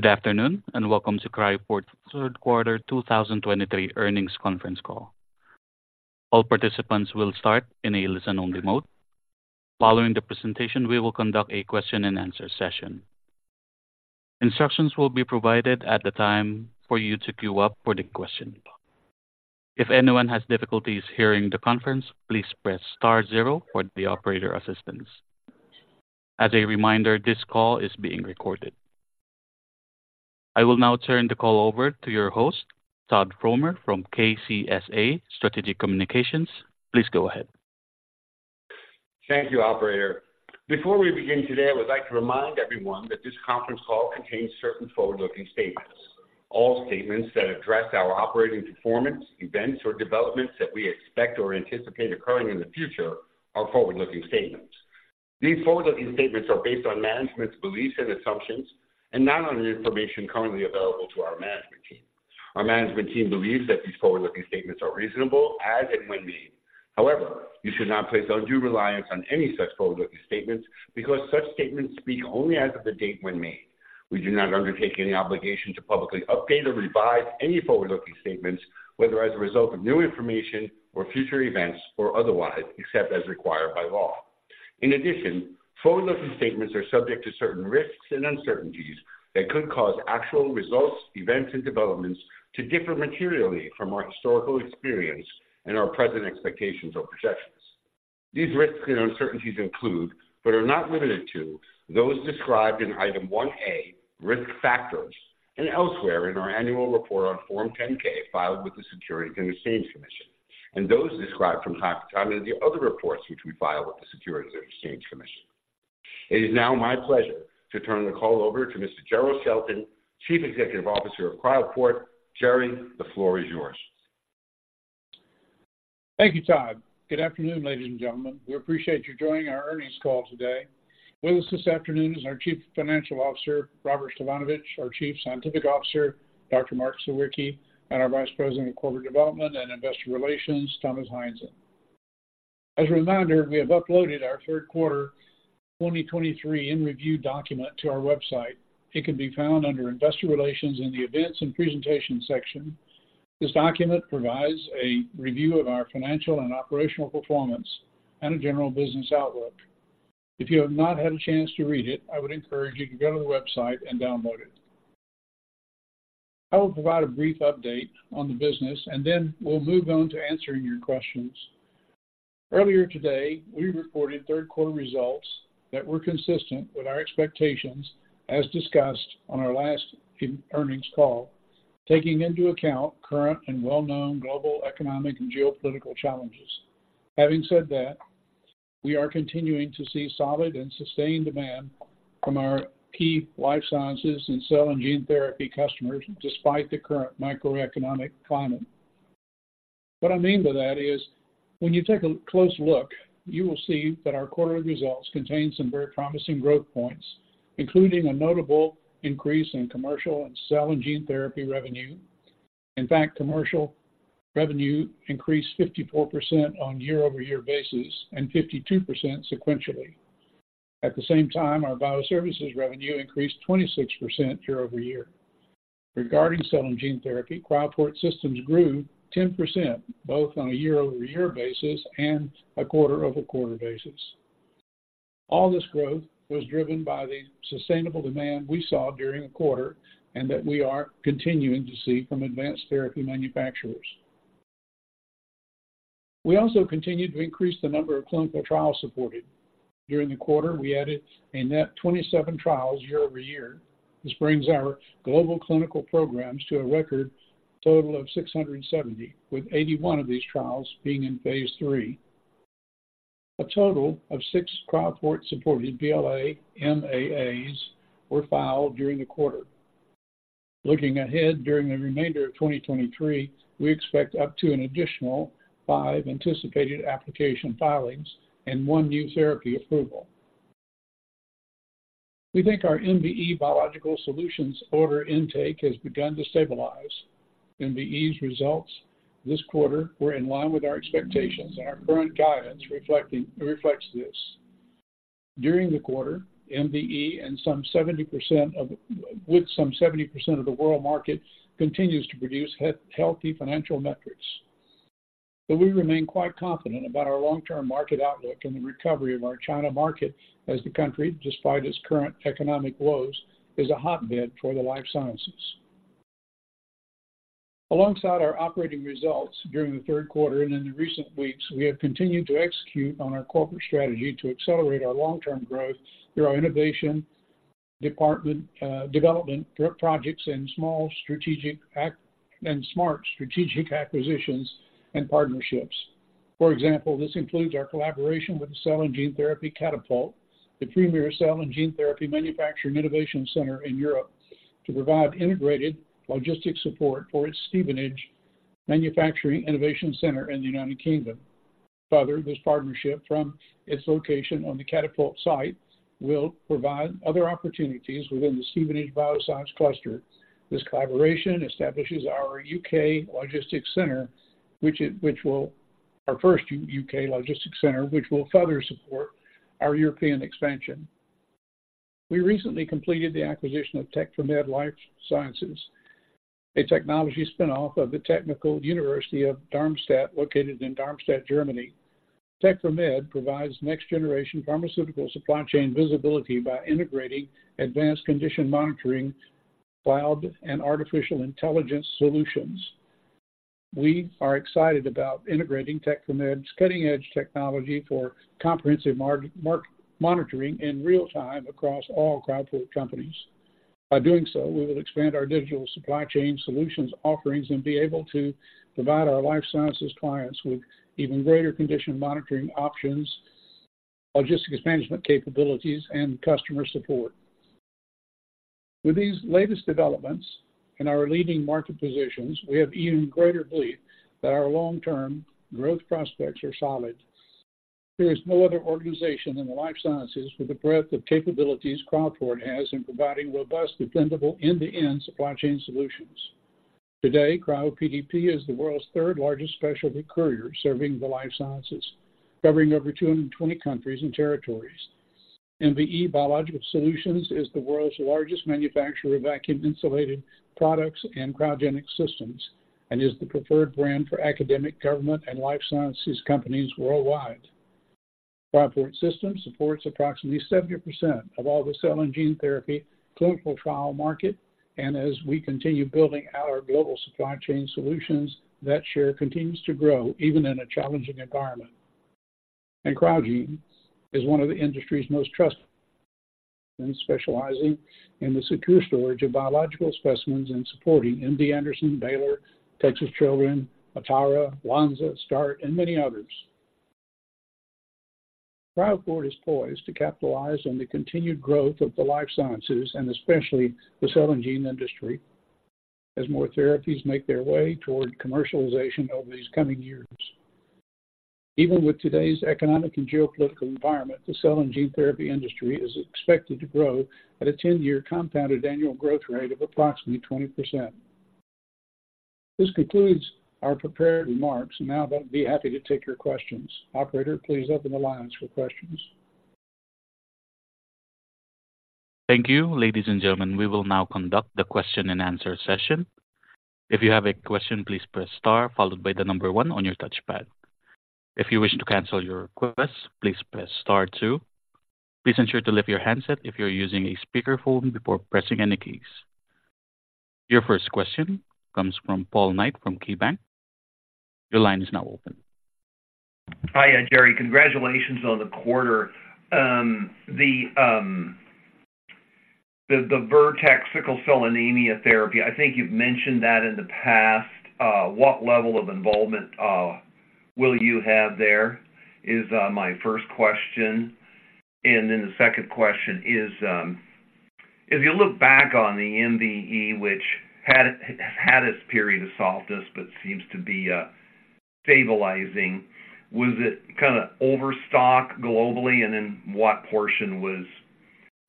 Good afternoon, and welcome to Cryoport third quarter 2023 earnings conference call. All participants will start in a listen-only mode. Following the presentation, we will conduct a question-and-answer session. Instructions will be provided at the time for you to queue up for the question. If anyone has difficulties hearing the conference, please press star zero for the operator assistance. As a reminder, this call is being recorded. I will now turn the call over to your host, Todd Fromer from KCSA Strategic Communications. Please go ahead. Thank you, operator. Before we begin today, I would like to remind everyone that this conference call contains certain forward-looking statements. All statements that address our operating performance, events, or developments that we expect or anticipate occurring in the future are forward-looking statements. These forward-looking statements are based on management's beliefs and assumptions and not on the information currently available to our management team. Our management team believes that these forward-looking statements are reasonable as and when made. However, you should not place undue reliance on any such forward-looking statements because such statements speak only as of the date when made. We do not undertake any obligation to publicly update or revise any forward-looking statements, whether as a result of new information or future events or otherwise, except as required by law. In addition, forward-looking statements are subject to certain risks and uncertainties that could cause actual results, events, and developments to differ materially from our historical experience and our present expectations or projections. These risks and uncertainties include, but are not limited to, those described in Item 1A, Risk Factors, and elsewhere in our annual report on Form 10-K, filed with the Securities and Exchange Commission, and those described from time to time in the other reports which we file with the Securities and Exchange Commission. It is now my pleasure to turn the call over to Mr. Jerrell Shelton, Chief Executive Officer of Cryoport. Jerry, the floor is yours. Thank you, Todd. Good afternoon, ladies and gentlemen. We appreciate you joining our earnings call today. With us this afternoon is our Chief Financial Officer, Robert Stefanovich, our Chief Scientific Officer, Dr. Mark Sawicki, and our Vice President of Corporate Development and Investor Relations, Thomas Heinzen. As a reminder, we have uploaded our third quarter 2023 in review document to our website. It can be found under Investor Relations in the Events and Presentation section. This document provides a review of our financial and operational performance and a general business outlook. If you have not had a chance to read it, I would encourage you to go to the website and download it. I will provide a brief update on the business, and then we'll move on to answering your questions. Earlier today, we reported third quarter results that were consistent with our expectations, as discussed on our last earnings call, taking into account current and well-known global, economic, and geopolitical challenges. Having said that, we are continuing to see solid and sustained demand from our key life sciences and cell and gene therapy customers, despite the current macroeconomic climate. What I mean by that is, when you take a close look, you will see that our quarter results contain some very promising growth points, including a notable increase in commercial and cell and gene therapy revenue. In fact, commercial revenue increased 54% on year-over-year basis and 52% sequentially. At the same time, our BioServices revenue increased 26% year-over-year. Regarding cell and gene therapy, Cryoport Systems grew 10%, both on a year-over-year basis and a quarter-over-quarter basis. All this growth was driven by the sustainable demand we saw during the quarter and that we are continuing to see from advanced therapy manufacturers. We also continued to increase the number of clinical trials supported. During the quarter, we added a net 27 trials year-over-year. This brings our global clinical programs to a record total of 670, with 81 of these trials being in phase III. A total of six Cryoport-supported BLA/MAAs were filed during the quarter. Looking ahead, during the remainder of 2023, we expect up to an additional five anticipated application filings and one new therapy approval. We think our MVE Biological Solutions order intake has begun to stabilize. MVE's results this quarter were in line with our expectations, and our current guidance reflects this. During the quarter, MVE, with some 70% of the world market, continues to produce healthy financial metrics. But we remain quite confident about our long-term market outlook and the recovery of our China market as the country, despite its current economic woes, is a hotbed for the life sciences. Alongside our operating results during the third quarter and in the recent weeks, we have continued to execute on our corporate strategy to accelerate our long-term growth through our innovation department, development projects, and small strategic and smart strategic acquisitions and partnerships. For example, this includes our collaboration with the Cell and Gene Therapy Catapult, the premier cell and gene therapy manufacturing innovation center in Europe, to provide integrated logistics support for its Stevenage Manufacturing Innovation Center in the United Kingdom. Further, this partnership from its location on the Catapult site will provide other opportunities within the Stevenage Bioscience Cluster. This collaboration establishes our U.K. logistics center, which will be our first U.K. logistics center, which will further support our European expansion. We recently completed the acquisition of Tec4med Life Sciences, a technology spin-off of the Technical University of Darmstadt, located in Darmstadt, Germany. Tec4med provides next-generation pharmaceutical supply chain visibility by integrating advanced condition monitoring, cloud, and artificial intelligence solutions. We are excited about integrating Tec4med's cutting-edge technology for comprehensive market monitoring in real time across all Cryoport companies. By doing so, we will expand our digital supply chain solutions offerings and be able to provide our life sciences clients with even greater condition monitoring options, logistics management capabilities, and customer support. With these latest developments in our leading market positions, we have even greater belief that our long-term growth prospects are solid. There is no other organization in the life sciences with the breadth of capabilities Cryoport has in providing robust, dependable, end-to-end supply chain solutions. Today, CRYOPDP is the world's third-largest specialty courier, serving the life sciences, covering over 220 countries and territories. MVE Biological Solutions is the world's largest manufacturer of vacuum-insulated products and cryogenic systems, and is the preferred brand for academic, government, and life sciences companies worldwide. Cryoport Systems supports approximately 70% of all the cell and gene therapy clinical trial market, and as we continue building our global supply chain solutions, that share continues to grow, even in a challenging environment. CRYOGENE is one of the industry's most trusted, specializing in the secure storage of biological specimens and supporting MD Anderson, Baylor, Texas Children's, Atara, Lonza, START, and many others. Cryoport is poised to capitalize on the continued growth of the life sciences, and especially the cell and gene industry, as more therapies make their way toward commercialization over these coming years. Even with today's economic and geopolitical environment, the cell and gene therapy industry is expected to grow at a 10-year compounded annual growth rate of approximately 20%. This concludes our prepared remarks, and now I'll be happy to take your questions. Operator, please open the lines for questions. Thank you, ladies and gentlemen. We will now conduct the question-and-answer session. If you have a question, please press star, followed by the number one on your touchpad. If you wish to cancel your request, please press star two. Please ensure to lift your handset if you're using a speakerphone before pressing any keys. Your first question comes from Paul Knight from KeyBanc. Your line is now open. Hi, Jerry. Congratulations on the quarter. The Vertex sickle cell anemia therapy, I think you've mentioned that in the past. What level of involvement will you have there, is my first question. And then the second question is, if you look back on the MVE, which had its period of softness, but seems to be stabilizing, was it kinda overstock globally? And then what portion was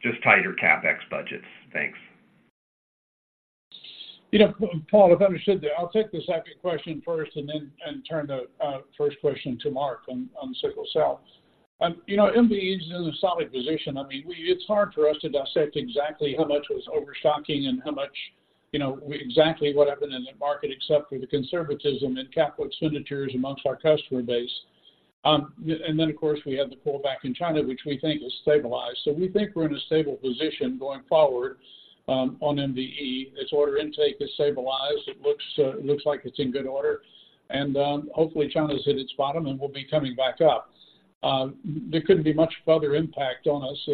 just tighter CapEx budgets? Thanks. You know, Paul, if I understood that, I'll take the second question first and then turn the first question to Mark on sickle cell. You know, MVE is in a solid position. I mean, it's hard for us to dissect exactly how much was overstocking and how much, you know, exactly what happened in the market, except for the conservatism in capital expenditures amongst our customer base. And then, of course, we had the pullback in China, which we think is stabilized. So we think we're in a stable position going forward on MVE. Its order intake is stabilized. It looks like it's in good order, and hopefully China's hit its bottom and will be coming back up. There couldn't be much further impact on us.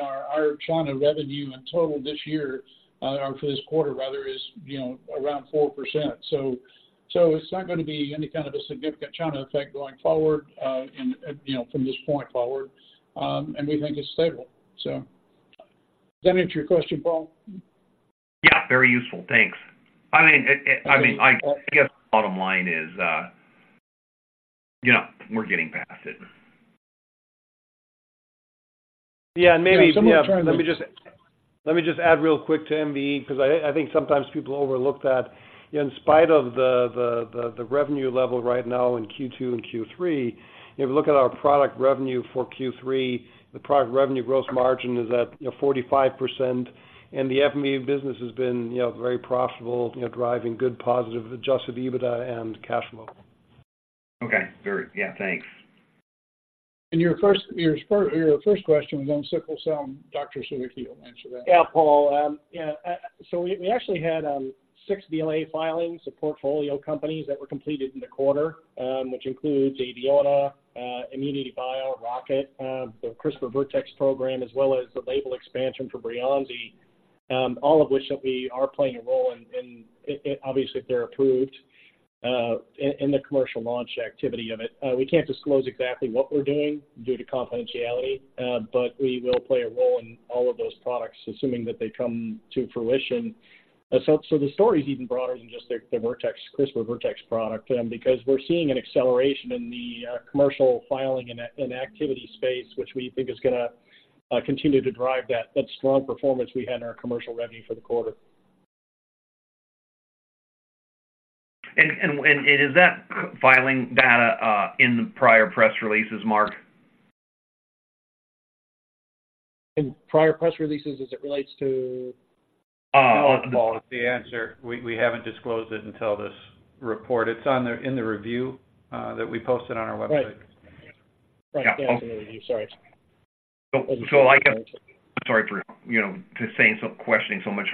Our China revenue in total this year, or for this quarter, rather, is, you know, around 4%. So it's not gonna be any kind of a significant China effect going forward, and, you know, from this point forward, and we think it's stable. So does that answer your question, Paul? Yeah, very useful. Thanks. I mean, I guess the bottom line is, you know, we're getting past it. Yeah, maybe- Yeah, so we're trying to- Let me just add real quick to MVE, 'cause I think sometimes people overlook that in spite of the revenue level right now in Q2 and Q3, if you look at our product revenue for Q3, the product revenue gross margin is at, you know, 45%, and the MVE business has been, you know, very profitable, you know, driving good, positive, adjusted EBITDA and cash flow. Okay. Yeah, thanks. Your first question was on sickle cell, and Dr. Sawicki will answer that. Yeah, Paul, so we actually had six BLA filings of portfolio companies that were completed in the quarter, which includes Abeona, ImmunityBio, Rocket, the CRISPR Vertex program, as well as the label expansion for Breyanzi. All of which that we are playing a role in, obviously, if they're approved, in the commercial launch activity of it. We can't disclose exactly what we're doing due to confidentiality, but we will play a role in all of those products, assuming that they come to fruition. So the story is even broader than just the Vertex, CRISPR Vertex product, because we're seeing an acceleration in the commercial filing and activity space, which we think is gonna continue to drive that strong performance we had in our commercial revenue for the quarter. And is that filing data in the prior press releases, Mark? In prior press releases as it relates to? Uh. No, it's the answer. We haven't disclosed it until this report. It's on the in the review that we posted on our website. Right. Yeah. That's in the review. Sorry. So, like, sorry for, you know, just saying so much, questioning so much,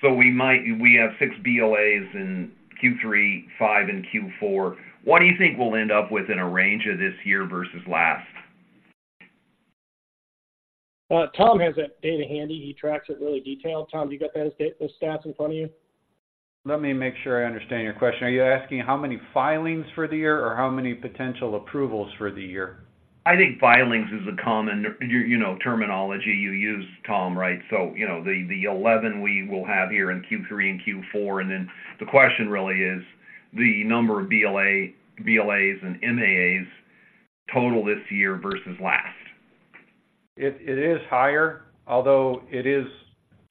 but we might have six BLAs in Q3, five in Q4. What do you think we'll end up with in a range of this year versus last? Tom has that data handy. He tracks it really detailed. Tom, do you got those stats in front of you? Let me make sure I understand your question. Are you asking how many filings for the year or how many potential approvals for the year? I think filings is a common, you know, terminology you use, Tom, right? So, you know, the 11 we will have here in Q3 and Q4, and then the question really is the number of BLA, BLAs and MAAs total this year versus last. It is higher, although it is,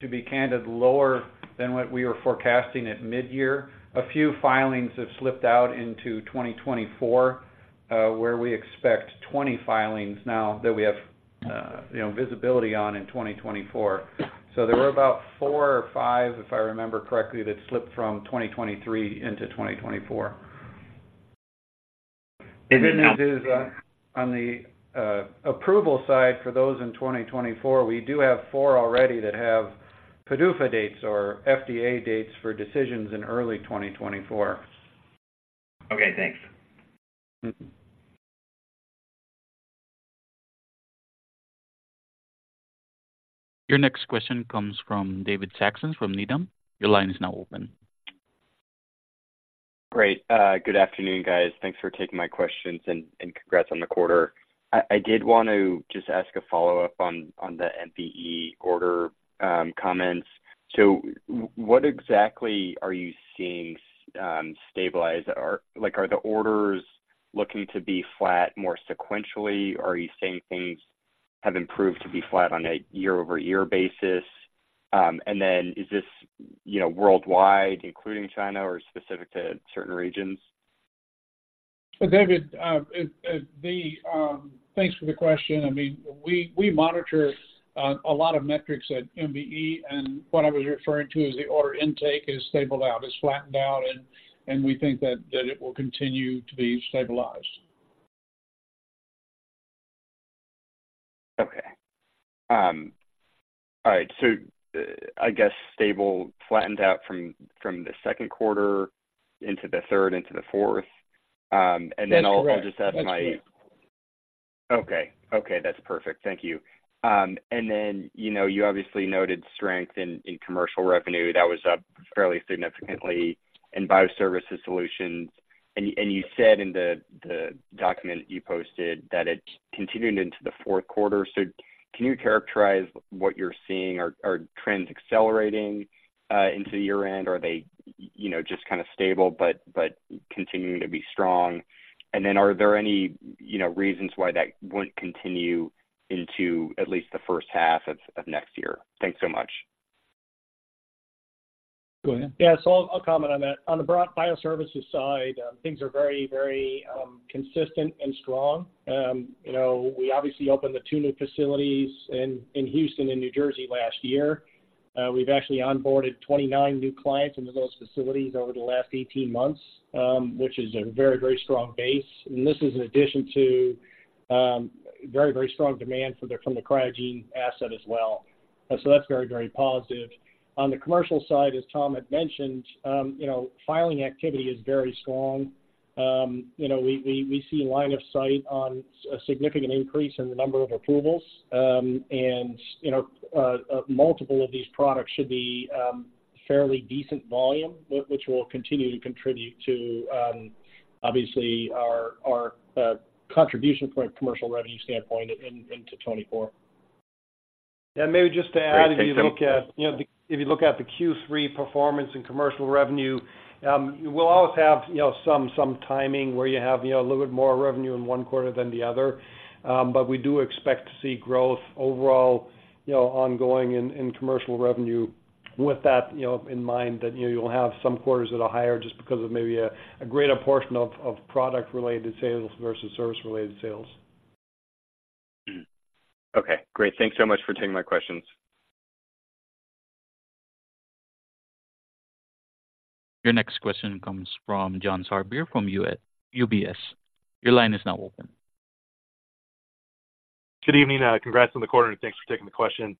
to be candid, lower than what we were forecasting at midyear. A few filings have slipped out into 2024, where we expect 20 filings now that we have, you know, visibility on in 2024. So there were about four or five, if I remember correctly, that slipped from 2023 into 2024. Is it now- On the approval side, for those in 2024, we do have four already that have PDUFA dates or FDA dates for decisions in early 2024. Okay, thanks. Mm-hmm. Your next question comes from David Saxon from Needham. Your line is now open. Great. Good afternoon, guys. Thanks for taking my questions, and congrats on the quarter. I did want to just ask a follow-up on the MVE order comments. So what exactly are you seeing stabilize? Or like, are the orders looking to be flat more sequentially, or are you saying things have improved to be flat on a year-over-year basis? And then is this, you know, worldwide, including China, or specific to certain regions? Well, David, thanks for the question. I mean, we monitor a lot of metrics at MVE, and what I was referring to is the order intake is stabilized out, it's flattened out, and we think that it will continue to be stabilized. Okay. All right. So, I guess stable, flattened out from the second quarter into the third, into the fourth. And then- That's correct. Okay. Okay, that's perfect. Thank you. And then, you know, you obviously noted strength in, in commercial revenue. That was up fairly significantly in BioServices Solutions. And you, and you said in the, the document you posted that it continued into the fourth quarter. So can you characterize what you're seeing? Are, are trends accelerating into year-end, or are they, you know, just kind of stable but, but continuing to be strong? And then are there any, you know, reasons why that wouldn't continue into at least the first half of, of next year? Thanks so much. Go ahead. Yeah. So I'll, I'll comment on that. On the broad BioServices side, things are very, very consistent and strong. You know, we obviously opened the two new facilities in Houston and New Jersey last year. We've actually onboarded 29 new clients into those facilities over the last 18 months, which is a very, very strong base. And this is in addition to very, very strong demand for the from the CRYOGENE asset as well. So that's very, very positive. On the commercial side, as Tom had mentioned, you know, filing activity is very strong. You know, we, we, we see line of sight on a significant increase in the number of approvals. You know, multiple of these products should be fairly decent volume, which will continue to contribute to, obviously, our contribution from a commercial revenue standpoint into 2024. Maybe just to add, if you look at- Great. Thanks so much. You know, if you look at the Q3 performance and commercial revenue, we'll always have, you know, some, some timing where you have, you know, a little bit more revenue in one quarter than the other. But we do expect to see growth overall, you know, ongoing in, in commercial revenue with that, you know, in mind that, you know, you'll have some quarters that are higher just because of maybe a, a greater portion of, of product-related sales versus service-related sales. Mm-hmm. Okay, great. Thanks so much for taking my questions. Your next question comes from John Sourbeer from UBS. Your line is now open. Good evening. Congrats on the quarter, and thanks for taking the question.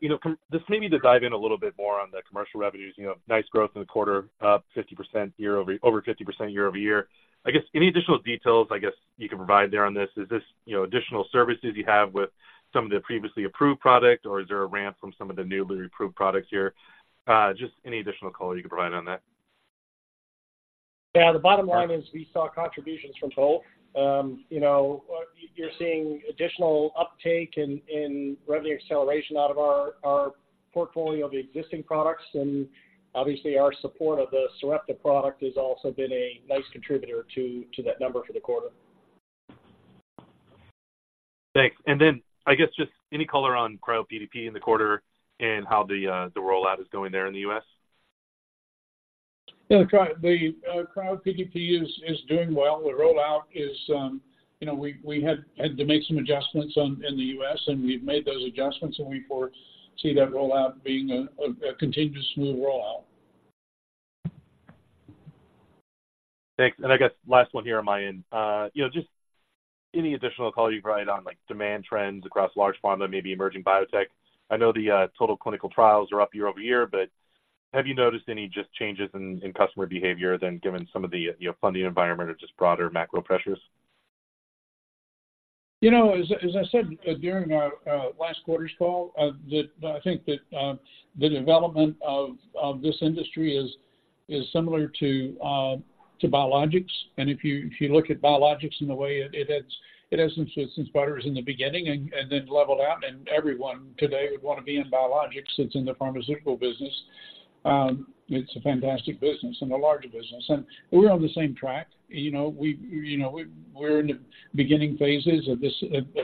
You know, from just maybe to dive in a little bit more on the commercial revenues, you know, nice growth in the quarter, up 50% year-over-year. I guess, any additional details, I guess, you can provide there on this? Is this, you know, additional services you have with some of the previously approved product, or is there a ramp from some of the newly approved products here? Just any additional color you could provide on that. Yeah. The bottom line is we saw contributions from both. You know, you're seeing additional uptake in revenue acceleration out of our portfolio of existing products, and obviously, our support of the Sarepta product has also been a nice contributor to that number for the quarter. Thanks. And then I guess just any color on CRYOPDP in the quarter and how the rollout is going there in the U.S.? Yeah. The CRYOPDP is doing well. The rollout is, you know, we had to make some adjustments on, in the U.S., and we've made those adjustments, and we foresee that rollout being a continuous smooth rollout. Thanks. And I guess last one here on my end. You know, just any additional color you provide on, like, demand trends across large pharma, maybe emerging biotech. I know the total clinical trials are up year-over-year, but have you noticed any just changes in customer behavior then, given some of the, you know, funding environment or just broader macro pressures? You know, as I said during our last quarter's call, that I think that the development of this industry is similar to biologics. And if you look at biologics and the way it has since buyers in the beginning and then leveled out, and everyone today would want to be in biologics, it's in the pharmaceutical business. It's a fantastic business and a larger business, and we're on the same track. You know, you know, we're in the beginning phases of this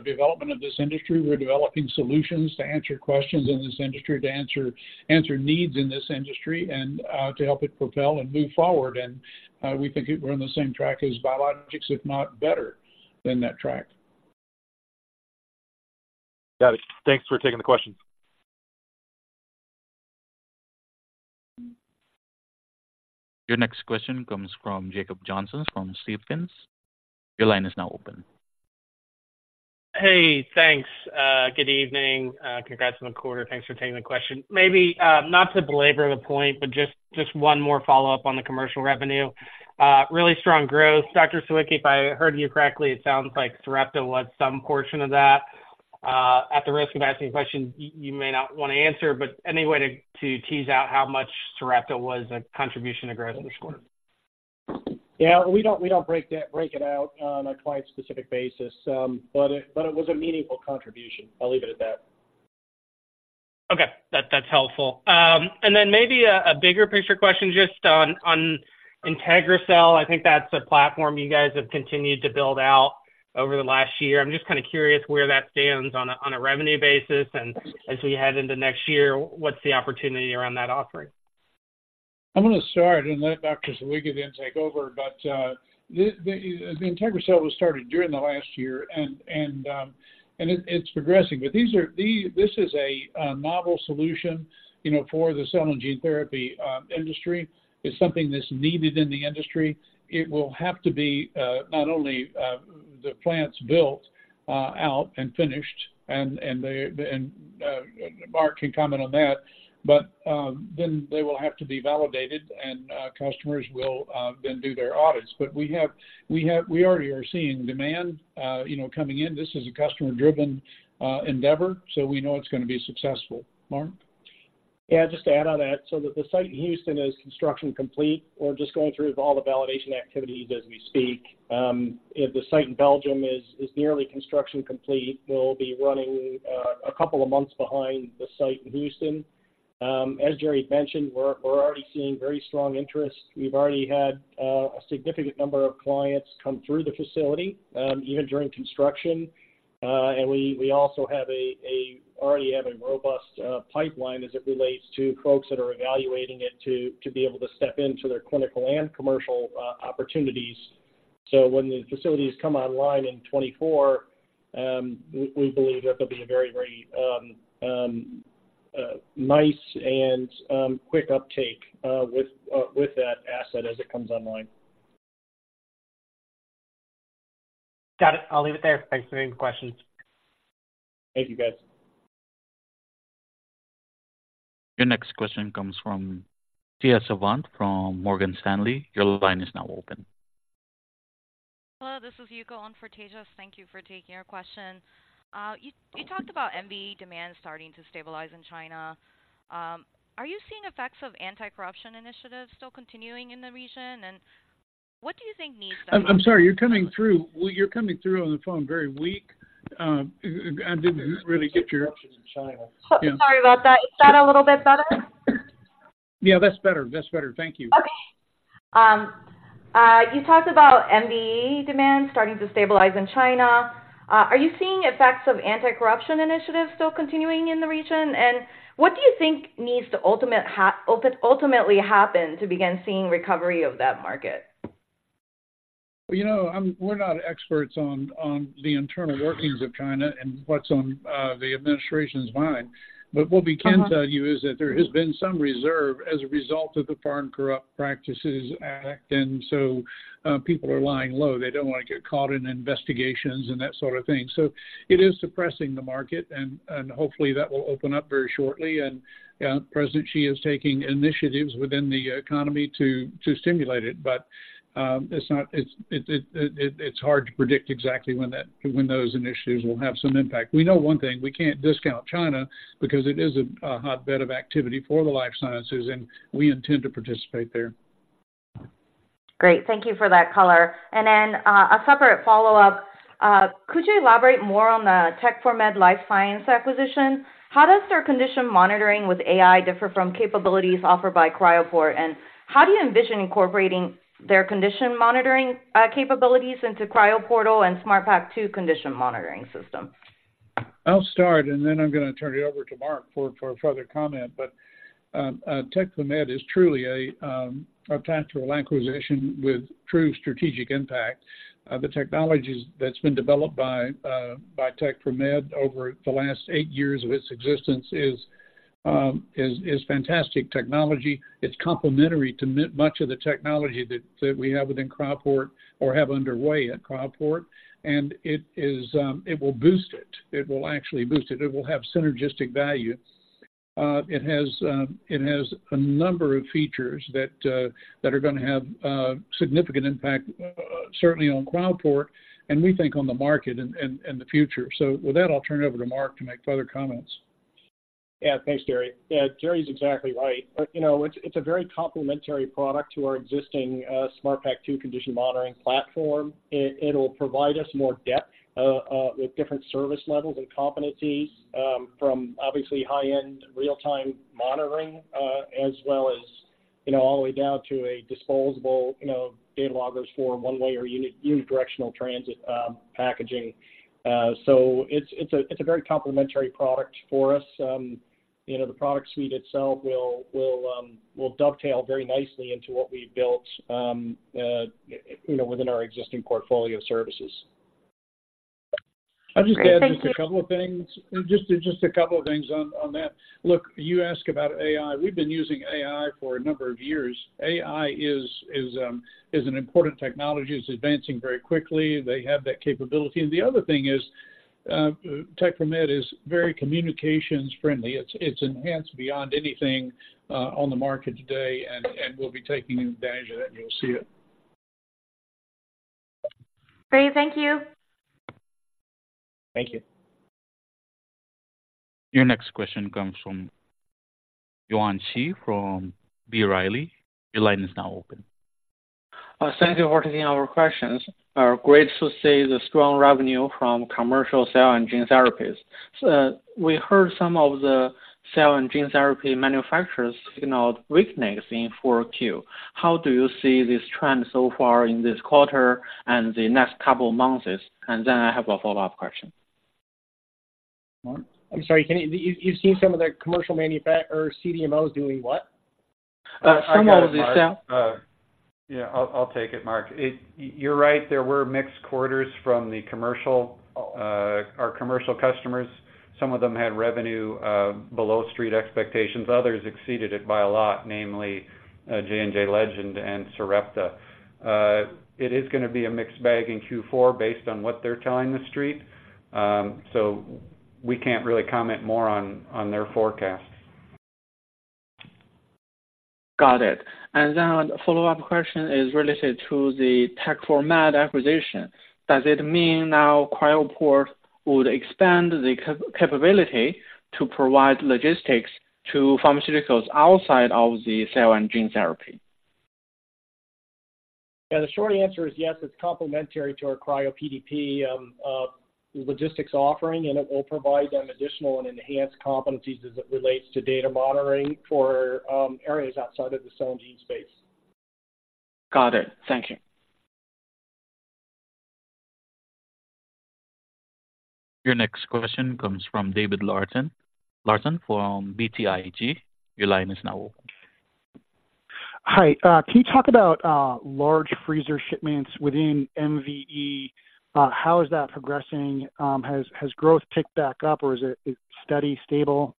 development of this industry. We're developing solutions to answer questions in this industry, to answer needs in this industry, and to help it propel and move forward. And we think we're on the same track as biologics, if not better than that track. Got it. Thanks for taking the questions. Your next question comes from Jacob Johnson, from Stephens. Your line is now open. Hey, thanks. Good evening. Congrats on the quarter. Thanks for taking the question. Maybe not to belabor the point, but just one more follow-up on the commercial revenue. Really strong growth. Dr. Sawicki, if I heard you correctly, it sounds like therapy was some portion of that. At the risk of asking a question you may not want to answer, but any way to tease out how much therapy was a contribution to growth this quarter? Yeah. We don't, we don't break that, break it out on a client-specific basis, but it, but it was a meaningful contribution. I'll leave it at that. Okay, that, that's helpful. And then maybe a bigger picture question just on IntegriCell. I think that's a platform you guys have continued to build out over the last year. I'm just kind of curious where that stands on a revenue basis, and as we head into next year, what's the opportunity around that offering? I'm going to start and let Dr. Sawicki then take over. But the IntegriCell was started during the last year, and it's progressing. But this is a novel solution, you know, for the cell and gene therapy industry. It's something that's needed in the industry. It will have to be not only the plants built out and finished, and Mark can comment on that, but then they will have to be validated, and customers will then do their audits. But we have already are seeing demand, you know, coming in. This is a customer-driven endeavor, so we know it's going to be successful. Mark? Yeah. Just to add on that, so the site in Houston is construction complete. We're just going through all the validation activities as we speak. The site in Belgium is nearly construction complete. We'll be running a couple of months behind the site in Houston. As Jerry mentioned, we're already seeing very strong interest. We've already had a significant number of clients come through the facility, even during construction. And we also already have a robust pipeline as it relates to folks that are evaluating it to be able to step into their clinical and commercial opportunities. So when the facilities come online in 2024, we believe that there'll be a very, very nice and quick uptake with that asset as it comes online. Got it. I'll leave it there. Thanks for taking the questions. Thank you, Jacob. Your next question comes from Tejas Savant from Morgan Stanley. Your line is now open. Hello, this is Yuko on for Tejas. Thank you for taking our question. You, you talked about MVE demand starting to stabilize in China. Are you seeing effects of anti-corruption initiatives still continuing in the region, and what do you think needs to- I'm sorry, you're coming through. Well, you're coming through on the phone very weak. I didn't really get your- Reception in China. Sorry about that. Is that a little bit better? Yeah, that's better. That's better. Thank you. Okay. You talked about MVE demand starting to stabilize in China. Are you seeing effects of anti-corruption initiatives still continuing in the region? And what do you think needs to ultimately happen to begin seeing recovery of that market? You know, we're not experts on the internal workings of China and what's on the administration's mind. But what we can tell you is that there has been some reserve as a result of the Foreign Corrupt Practices Act, and so people are lying low. They don't want to get caught in investigations and that sort of thing. So it is suppressing the market, and hopefully that will open up very shortly. And President Xi is taking initiatives within the economy to stimulate it, but it's hard to predict exactly when that, when those initiatives will have some impact. We know one thing, we can't discount China because it is a hotbed of activity for the life sciences, and we intend to participate there. Great. Thank you for that color. And then, a separate follow-up. Could you elaborate more on the Tec4med Life Sciences acquisition? How does their condition monitoring with AI differ from capabilities offered by Cryoport? And how do you envision incorporating their condition monitoring, capabilities into Cryoportal and SmartPak II condition monitoring system? I'll start, and then I'm gonna turn it over to Mark for further comment. But Tec4med is truly a tactical acquisition with true strategic impact. The technologies that's been developed by Tec4med over the last eight years of its existence is fantastic technology. It's complementary to much of the technology that we have within Cryoport or have underway at Cryoport, and it will boost it. It will actually boost it. It will have synergistic value. It has a number of features that are gonna have significant impact, certainly on Cryoport, and we think on the market and the future. So with that, I'll turn it over to Mark to make further comments. Yeah. Thanks, Jerry. Yeah, Jerry's exactly right. But, you know, it's a very complementary product to our existing SmartPak II condition monitoring platform. It will provide us more depth with different service levels and competencies from obviously high-end real-time monitoring as well as, you know, all the way down to a disposable data loggers for one-way or unidirectional transit packaging. So it's a very complementary product for us. You know, the product suite itself will dovetail very nicely into what we've built within our existing portfolio of services. Great, thank you. I'll just add a couple of things. Just a couple of things on that. Look, you ask about AI. We've been using AI for a number of years. AI is an important technology. It's advancing very quickly. They have that capability. And the other thing is, Tec4med is very communications friendly. It's enhanced beyond anything on the market today, and we'll be taking advantage of that, and you'll see it. Great. Thank you. Thank you. Your next question comes from Yuan Zhi, from B. Riley. Your line is now open. Thank you for taking our questions. Great to see the strong revenue from commercial cell and gene therapies. So, we heard some of the cell and gene therapy manufacturers signaled weakness in Q4. How do you see this trend so far in this quarter and the next couple of months? And then I have a follow-up question. Mark? I'm sorry. Can you—you've seen some of the commercial manufacturers or CDMOs doing what? Some of it, yeah. Yeah. I'll take it, Mark. You're right. There were mixed quarters from the commercial, our commercial customers. Some of them had revenue below street expectations, others exceeded it by a lot, namely, J&J, Legend, and Sarepta. It is gonna be a mixed bag in Q4 based on what they're telling the street. So we can't really comment more on their forecasts. Got it. And then a follow-up question is related to the Tec4med acquisition. Does it mean now Cryoport would expand the capability to provide logistics to pharmaceuticals outside of the cell and gene therapy? Yeah. The short answer is yes, it's complementary to our CRYOPDP logistics offering, and it will provide them additional and enhanced competencies as it relates to data monitoring for areas outside of the cell and gene space. Got it. Thank you. Your next question comes from David Larsen. Larsen from BTIG. Your line is now open. Hi. Can you talk about large freezer shipments within MVE? How is that progressing? Has growth picked back up, or is it steady, stable?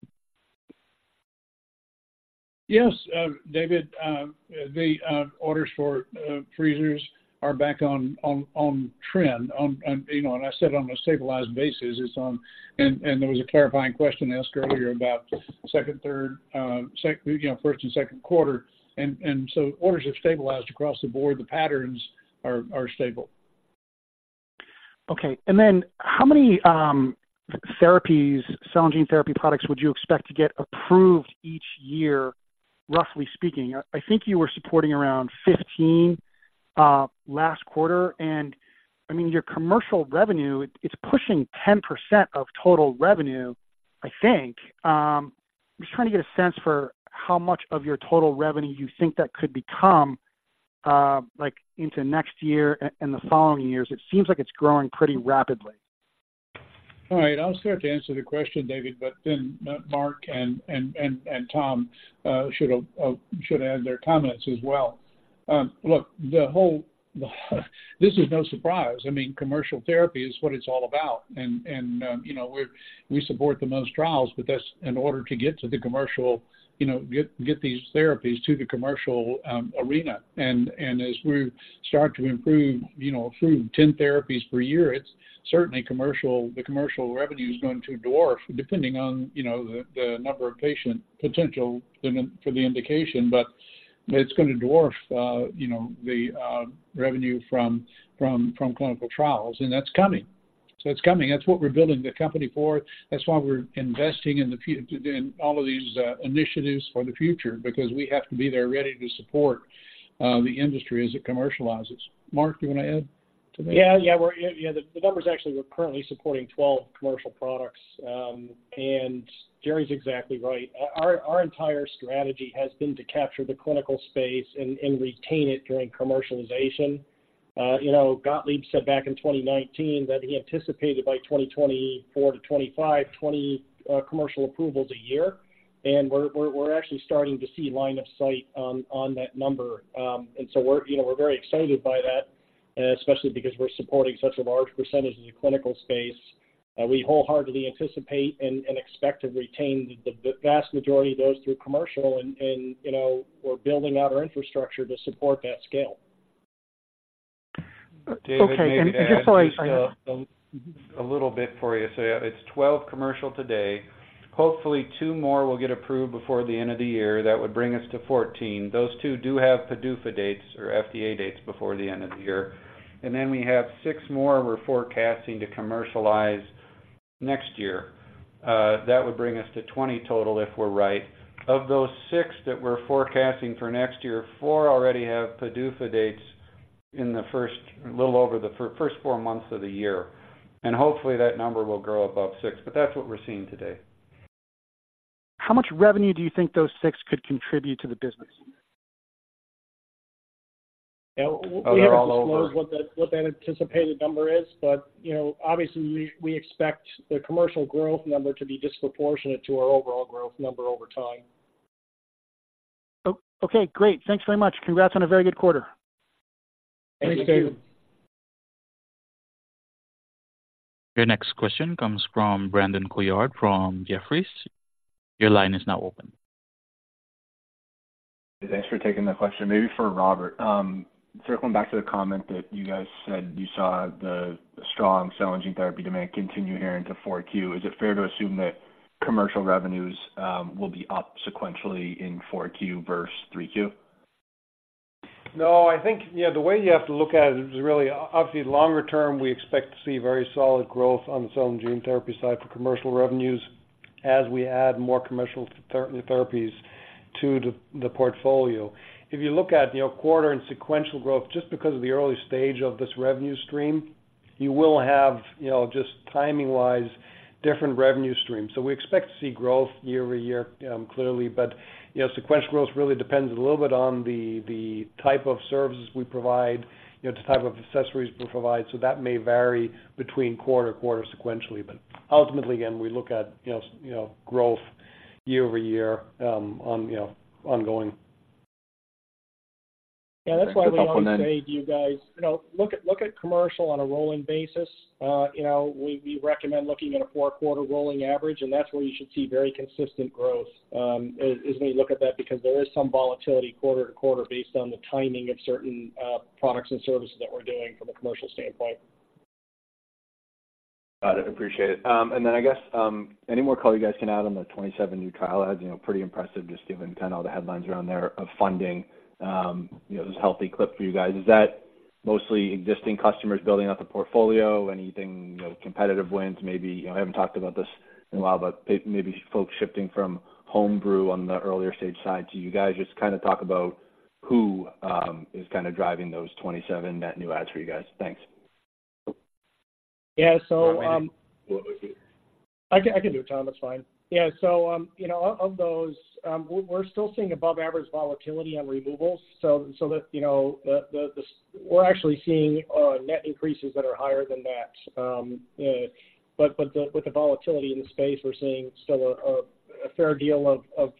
Yes, David. The orders for freezers are back on trend, and you know, I said on a stabilized basis, it's on. And there was a clarifying question asked earlier about second, third, you know, first and second quarter, and so orders have stabilized across the board. The patterns are stable. Okay. And then how many therapies, cell and gene therapy products would you expect to get approved each year, roughly speaking? I think you were supporting around 15 last quarter, and I mean, your commercial revenue, it's pushing 10% of total revenue, I think. I'm just trying to get a sense for how much of your total revenue you think that could become, like into next year and the following years. It seems like it's growing pretty rapidly. All right. I'll start to answer the question, David, but then, Mark and Tom should add their comments as well. Look, this is no surprise. I mean, commercial therapy is what it's all about. And, you know, we're—we support the most trials, but that's in order to get to the commercial, you know, get these therapies to the commercial arena. And as we start to improve, you know, approve 10 therapies per year, it's certainly commercial—the commercial revenue is going to dwarf, depending on, you know, the number of patient potential for the indication. But it's gonna dwarf, you know, the revenue from clinical trials, and that's coming. So it's coming. That's what we're building the company for. That's why we're investing in the future, in all of these initiatives for the future, because we have to be there ready to support the industry as it commercializes. Mark, do you wanna add to that? Yeah, yeah. We're, yeah, yeah, the, the numbers actually are currently supporting 12 commercial products. And Jerry's exactly right. Our, our entire strategy has been to capture the clinical space and, and retain it during commercialization. You know, Gottlieb said back in 2019 that he anticipated by 2024-2025, 20 commercial approvals a year, and we're, we're, we're actually starting to see line of sight on, on that number. And so we're, you know, we're very excited by that, especially because we're supporting such a large percentage of the clinical space. We wholeheartedly anticipate and, and expect to retain the, the vast majority of those through commercial and, and, you know, we're building out our infrastructure to support that scale. Okay, sorry. David, maybe I can add just a little bit for you. So yeah, it's 12 commercial today. Hopefully, two more will get approved before the end of the year. That would bring us to 14. Those two do have PDUFA dates or FDA dates before the end of the year. And then we have six more we're forecasting to commercialize next year. That would bring us to 20 total, if we're right. Of those six that we're forecasting for next year, four already have PDUFA dates in a little over the first four months of the year. And hopefully, that number will grow above six, but that's what we're seeing today. How much revenue do you think those six could contribute to the business? They're all over. We haven't disclosed what that anticipated number is, but, you know, obviously, we expect the commercial growth number to be disproportionate to our overall growth number over time. Okay, great. Thanks very much. Congrats on a very good quarter. Thanks, David. Thanks, David. Your next question comes from Brandon Couillard from Jefferies. Your line is now open. Thanks for taking the question. Maybe for Robert. Circling back to the comment that you guys said you saw the strong cell and gene therapy demand continue here into 4Q. Is it fair to assume that commercial revenues will be up sequentially in 4Q versus 3Q? No. I think, yeah, the way you have to look at it is really, obviously, longer term, we expect to see very solid growth on the cell and gene therapy side for commercial revenues as we add more commercial therapies to the portfolio. If you look at, you know, quarter and sequential growth, just because of the early stage of this revenue stream, you will have, you know, just timing-wise, different revenue streams. So we expect to see growth year-over-year, clearly. But, you know, sequential growth really depends a little bit on the type of services we provide, you know, the type of accessories we provide. So that may vary between quarter to quarter sequentially. But ultimately, again, we look at, you know, growth year-over-year, ongoing. Yeah, that's why we always say to you guys, you know, look at commercial on a rolling basis. You know, we recommend looking at a four-quarter rolling average, and that's where you should see very consistent growth, as we look at that, because there is some volatility quarter-to-quarter based on the timing of certain products and services that we're doing from a commercial standpoint. Got it. Appreciate it. And then I guess, any more color you guys can add on the 27 new trial adds? You know, pretty impressive, just given kind of all the headlines around there of funding, you know, this healthy clip for you guys. Is that mostly existing customers building out the portfolio? Anything, you know, competitive wins? Maybe, you know, I haven't talked about this in a while, but maybe folks shifting from home brew on the earlier stage side to you guys. Just kind of talk about who is kind of driving those 27 net new adds for you guys. Thanks. Yeah, so. I can do it, Tom. That's fine. Yeah. So, you know, of those, we're still seeing above average volatility on removals. So, you know, we're actually seeing net increases that are higher than that. But with the volatility in the space, we're seeing still a fair deal of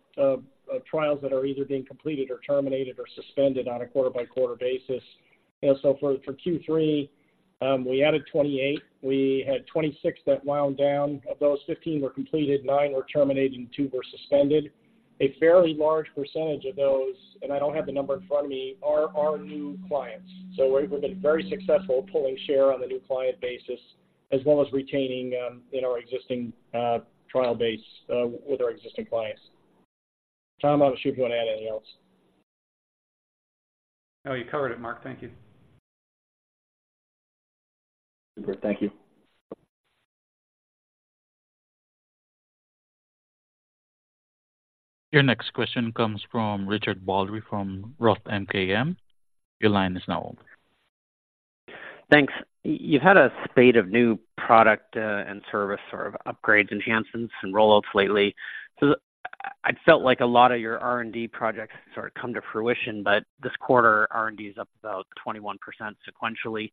trials that are either being completed or terminated or suspended on a quarter-by-quarter basis. You know, so for Q3, we added 28. We had 26 that wound down. Of those, 15 were completed, nine were terminated, and two were suspended. A fairly large percentage of those, and I don't have the number in front of me, are new clients. So we've been very successful pulling share on the new client basis, as well as retaining in our existing trial base with our existing clients. Tom, I'm not sure if you want to add anything else. No, you covered it, Mark. Thank you. Thank you. Your next question comes from Richard Baldry, from Roth MKM. Your line is now open. Thanks. You've had a spate of new product and service sort of upgrades, enhancements, and rollouts lately. So I felt like a lot of your R&D projects sort of come to fruition, but this quarter, R&D is up about 21% sequentially.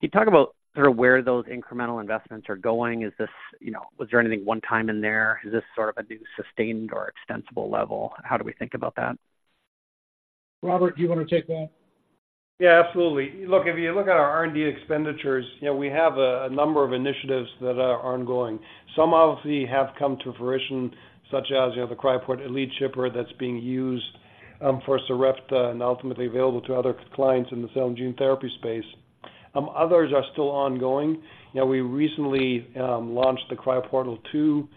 Can you talk about sort of where those incremental investments are going? Is this... You know, was there anything one time in there? Is this sort of a new sustained or extensible level? How do we think about that? Robert, do you want to take that? Yeah, absolutely. Look, if you look at our R&D expenditures, you know, we have a number of initiatives that are ongoing. Some obviously have come to fruition, such as, you know, the Cryoport Elite Shipper that's being used for Sarepta and ultimately available to other clients in the cell and gene therapy space. Others are still ongoing. You know, we recently launched the Cryoportal 2.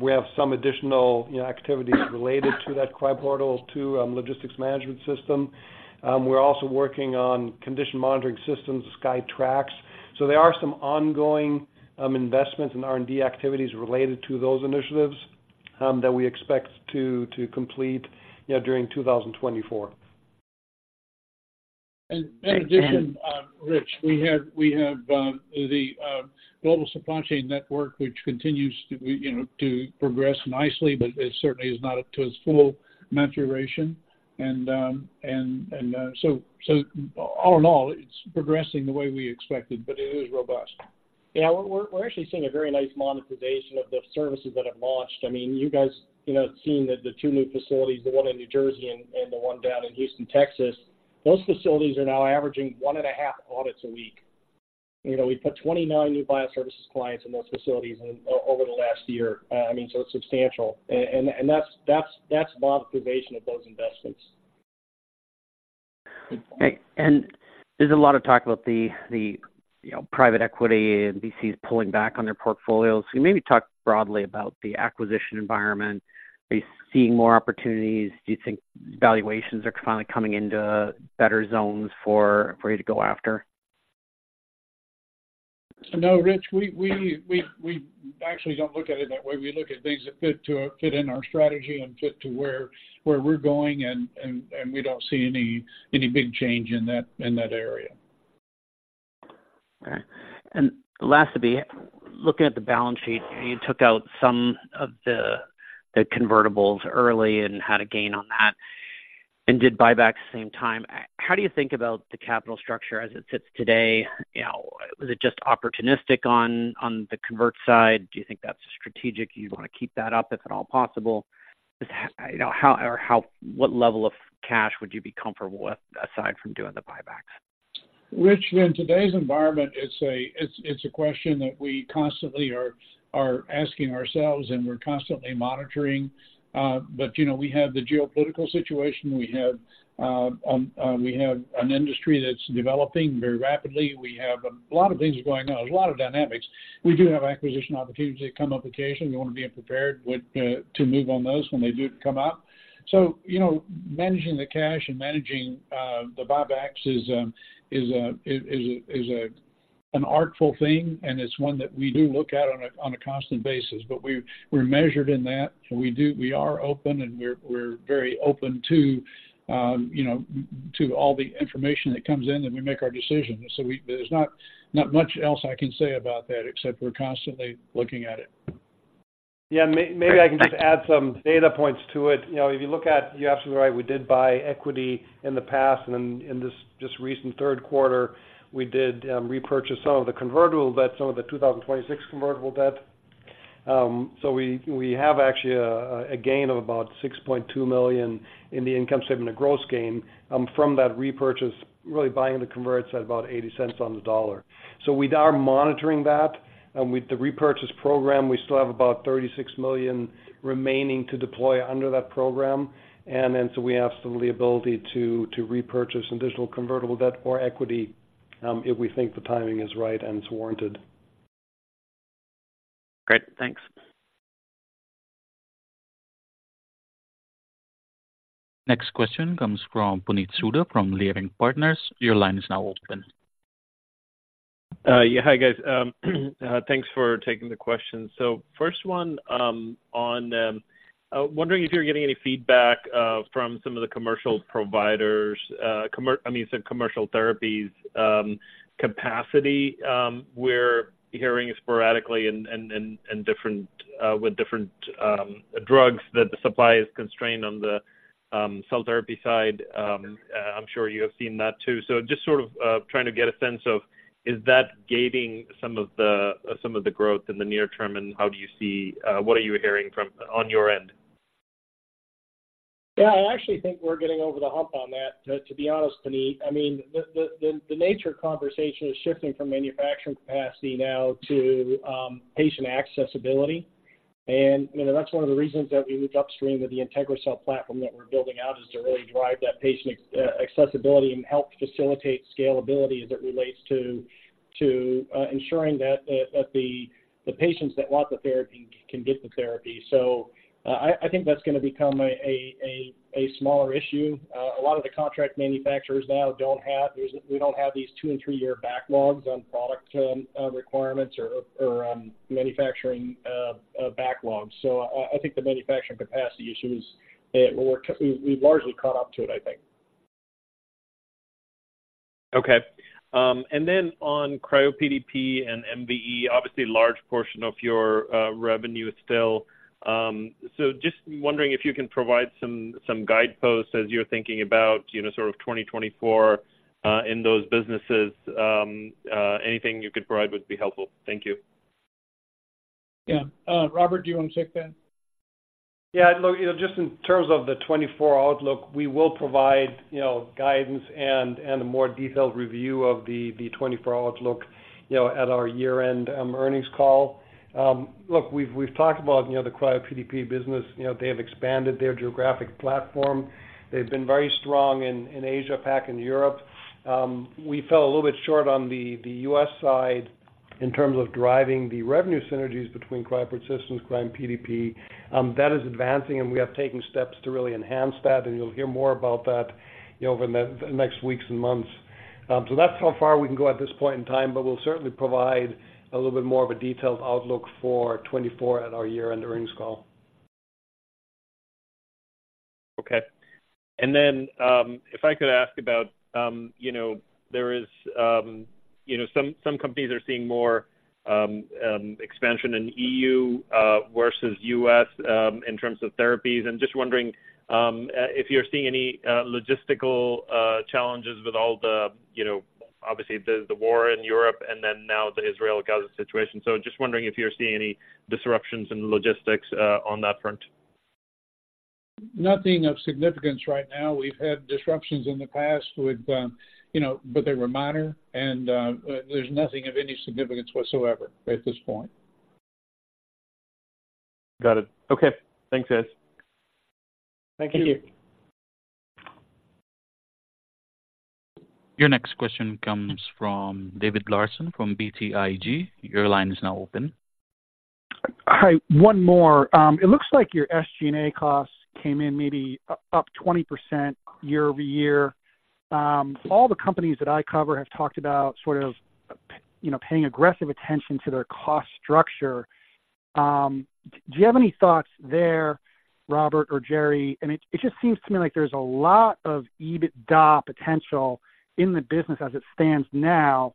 We have some additional, you know, activities related to that Cryoportal 2 logistics management system. We're also working on condition monitoring systems, the SkyTrax. So there are some ongoing investments and R&D activities related to those initiatives that we expect to complete, you know, during 2024. And in addition, Rich, we have the global supply chain network, which continues to, you know, progress nicely, but it certainly is not up to its full maturation. And so all in all, it's progressing the way we expected, but it is robust. Yeah, we're actually seeing a very nice monetization of the services that have launched. I mean, you guys, you know, have seen that the two new facilities, the one in New Jersey and the one down in Houston, Texas, those facilities are now averaging 1.5 audits a week. You know, we put 29 new BioServices clients in those facilities over the last year. I mean, so it's substantial. And that's monetization of those investments. Okay. And there's a lot of talk about the you know, private equity and VCs pulling back on their portfolios. Can you maybe talk broadly about the acquisition environment? Are you seeing more opportunities? Do you think valuations are finally coming into better zones for you to go after? So no, Rich, we actually don't look at it that way. We look at things that fit in our strategy and fit to where we're going, and we don't see any big change in that area. Okay. And lastly, looking at the balance sheet, you took out some of the convertibles early and had a gain on that and did buyback at the same time. How do you think about the capital structure as it sits today? You know, was it just opportunistic on the convert side? Do you think that's strategic? Do you want to keep that up, if at all possible? Is—you know, how—what level of cash would you be comfortable with aside from doing the buybacks? Rich, in today's environment, it's a question that we constantly are asking ourselves, and we're constantly monitoring. But, you know, we have the geopolitical situation. We have an industry that's developing very rapidly. We have a lot of things going on, a lot of dynamics. We do have acquisition opportunities that come up occasionally. We want to be prepared with to move on those when they do come up. So, you know, managing the cash and managing the buybacks is an artful thing, and it's one that we do look at on a constant basis. But we're measured in that, and we do. We are open, and we're very open to, you know, to all the information that comes in, and we make our decisions. There's not much else I can say about that, except we're constantly looking at it. Yeah, maybe I can just add some data points to it. You know, if you look at, you're absolutely right, we did buy equity in the past, and then in this just recent third quarter, we did repurchase some of the convertible debt, some of the 2026 convertible debt. So we have actually a gain of about $6.2 million in the income statement, a gross gain from that repurchase, really buying the converts at about $0.80 on the dollar. So we are monitoring that, and with the repurchase program, we still have about $36 million remaining to deploy under that program. And then, so we have absolutely the ability to repurchase additional convertible debt or equity, if we think the timing is right and it's warranted. Great. Thanks. Next question comes from Puneet Souda from Leerink Partners. Your line is now open. Yeah. Hi, guys, thanks for taking the question. So first one, on wondering if you're getting any feedback from some of the commercial providers, I mean, some commercial therapies, capacity, we're hearing sporadically and different with different drugs that the supply is constrained on the cell therapy side. I'm sure you have seen that too. So just sort of trying to get a sense of, is that gating some of the growth in the near term, and how do you see, what are you hearing from on your end? Yeah. I actually think we're getting over the hump on that, to be honest, Puneet. I mean, the nature of conversation is shifting from manufacturing capacity now to patient accessibility. And, you know, that's one of the reasons that we moved upstream with the IntegriCell platform that we're building out, is to really drive that patient accessibility and help facilitate scalability as it relates to ensuring that the patients that want the therapy can get the therapy. So, I think that's gonna become a smaller issue. A lot of the contract manufacturers now don't have these two- and three-year backlogs on product requirements or manufacturing backlogs. So, I think the manufacturing capacity issue is, we've largely caught up to it, I think. Okay. Then on CRYOPDP and MVE, obviously, a large portion of your revenue is still. Just wondering if you can provide some guideposts as you're thinking about, you know, sort of 2024 in those businesses. Anything you could provide would be helpful. Thank you. Yeah. Robert, do you want to take that? Yeah. Look, you know, just in terms of the 2024 outlook, we will provide, you know, guidance and, and a more detailed review of the, the 2024 outlook, you know, at our year-end earnings call. Look, we've, we've talked about, you know, the CRYOPDP business. You know, they have expanded their geographic platform. They've been very strong in, in Asia Pac and Europe. We fell a little bit short on the, the U.S. side in terms of driving the revenue synergies between Cryoport Systems and CRYOPDP. That is advancing, and we have taken steps to really enhance that, and you'll hear more about that, you know, over the next weeks and months. So that's how far we can go at this point in time, but we'll certainly provide a little bit more of a detailed outlook for 2024 at our year-end earnings call. Okay, and then, if I could ask about, you know, there is, you know, some, some companies are seeing more expansion in EU versus U.S. in terms of therapies. I'm just wondering if you're seeing any logistical challenges with all the, you know, obviously the, the war in Europe and then now the Israel-Gaza situation. So just wondering if you're seeing any disruptions in logistics on that front. Nothing of significance right now. We've had disruptions in the past with, you know, but they were minor, and there's nothing of any significance whatsoever at this point. Got it. Okay. Thanks, guys. Thank you. Your next question comes from David Larsen from BTIG. Your line is now open. Hi, one more. It looks like your SG&A costs came in maybe up 20% year-over-year. All the companies that I cover have talked about sort of, you know, paying aggressive attention to their cost structure. Do you have any thoughts there, Robert or Jerry? It just seems to me like there's a lot of EBITDA potential in the business as it stands now.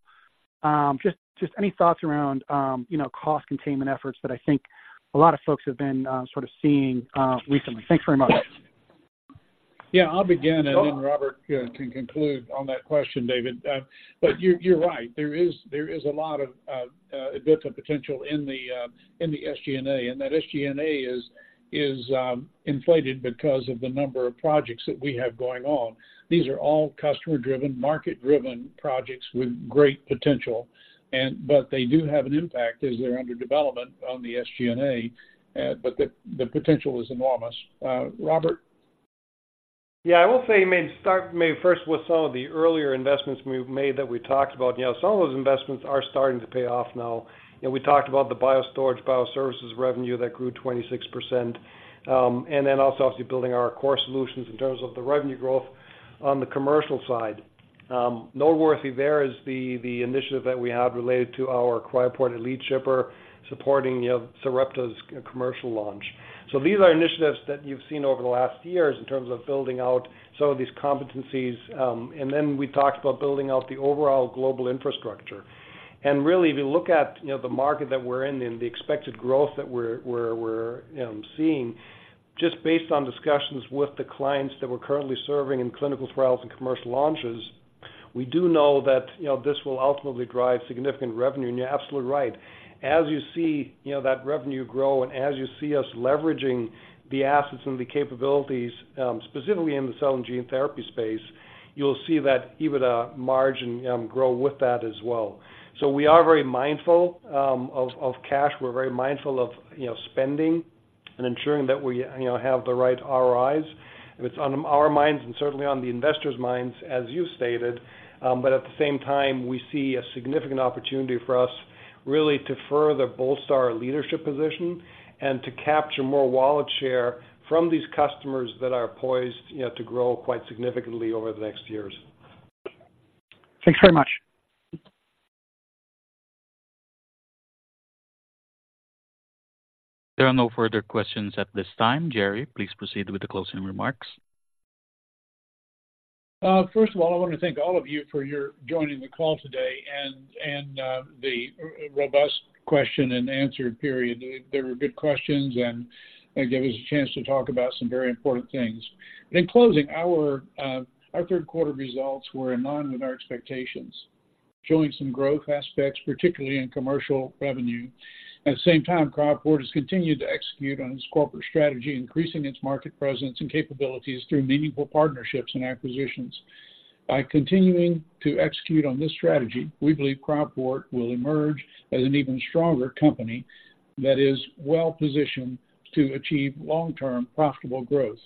Just any thoughts around, you know, cost containment efforts that I think a lot of folks have been sort of seeing recently. Thanks very much. Yeah. I'll begin, and then Robert can conclude on that question, David. But you're right. There is a lot of EBITDA potential in the SG&A, and that SG&A is inflated because of the number of projects that we have going on. These are all customer-driven, market-driven projects with great potential, and but they do have an impact as they're under development on the SG&A, but the potential is enormous. Robert? Yeah. I will say, maybe start maybe first with some of the earlier investments we've made that we talked about. You know, some of those investments are starting to pay off now. And we talked about the Biostorage, BioServices revenue that grew 26%, and then also obviously building our core solutions in terms of the revenue growth on the commercial side. Noteworthy there is the initiative that we have related to our Cryoport Elite Shipper supporting, you know, Sarepta's commercial launch. So these are initiatives that you've seen over the last years in terms of building out some of these competencies, and then we talked about building out the overall global infrastructure. Really, if you look at, you know, the market that we're in and the expected growth that we're seeing, just based on discussions with the clients that we're currently serving in clinical trials and commercial launches, we do know that, you know, this will ultimately drive significant revenue, and you're absolutely right. As you see, you know, that revenue grow and as you see us leveraging the assets and the capabilities, specifically in the cell and gene therapy space, you'll see that EBITDA margin grow with that as well. We are very mindful of cash. We're very mindful of, you know, spending and ensuring that we, you know, have the right ROIs. It's on our minds and certainly on the investors' minds, as you stated, but at the same time, we see a significant opportunity for us really to further bolster our leadership position and to capture more wallet share from these customers that are poised, you know, to grow quite significantly over the next years. Thanks very much. There are no further questions at this time. Jerry, please proceed with the closing remarks. First of all, I want to thank all of you for your joining the call today and the robust question and answer period. They were good questions, and they gave us a chance to talk about some very important things. But in closing, our third quarter results were in line with our expectations, showing some growth aspects, particularly in commercial revenue. At the same time, Cryoport has continued to execute on its corporate strategy, increasing its market presence and capabilities through meaningful partnerships and acquisitions. By continuing to execute on this strategy, we believe Cryoport will emerge as an even stronger company that is well positioned to achieve long-term profitable growth.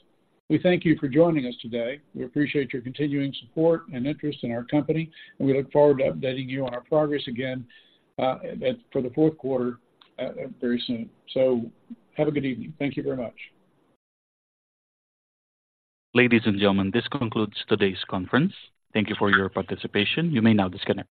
We thank you for joining us today. We appreciate your continuing support and interest in our company, and we look forward to updating you on our progress again for the fourth quarter very soon. Have a good evening. Thank you very much. Ladies and gentlemen, this concludes today's conference. Thank you for your participation. You may now disconnect.